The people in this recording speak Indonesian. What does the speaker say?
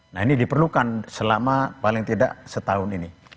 nah ini diperlukan selama paling tidak setahun ini